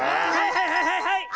はいはいはいはい！